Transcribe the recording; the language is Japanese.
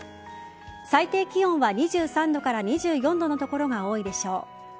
最低気温は２３度から２４度の所が多いでしょう。